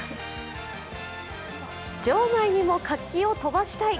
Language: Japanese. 場外にも活気を飛ばしたい